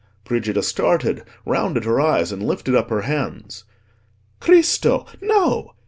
Brigida started, rounded her eyes, and lifted up her hands. "Cristo! no.